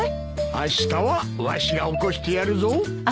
あしたはわしが起こしてやるぞ！